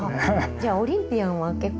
じゃあオリンピアンは結構。